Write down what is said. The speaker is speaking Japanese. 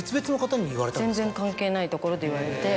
全然関係ないところで言われて。